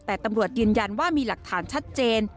แต่ตำรวจยืนยันว่ามีหลักฐานชัดเจน